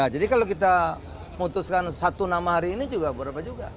jadi kalau kita mutuskan satu nama hari ini juga berapa juga